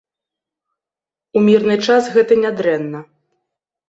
У мірны час гэта нядрэнна.